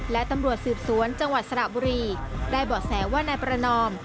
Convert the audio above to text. และตำรวจสืบสวนจังหวัดสระบุรีได้เบาะแสว่านายประนอม